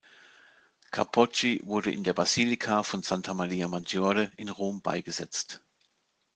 Capocci wurde in der Basilika von "Santa Maria Maggiore" in Rom beigesetzt.